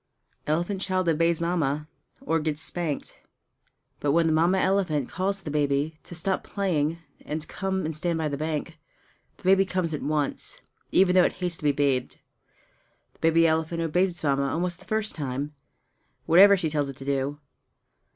Elephant Child Obeys Mamma or Gets Spanked But when the Mamma elephant calls to the baby to stop playing and come and stand by the bank, the baby comes at once, even though it hates to be bathed. The baby elephant obeys its Mamma almost the first time, whatever she tells it to do.